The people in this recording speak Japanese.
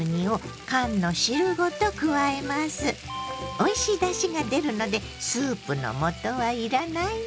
おいしいだしが出るのでスープの素はいらないの。